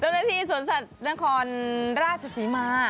เจ้าหน้าที่สวนสัตว์นครราชศรีมา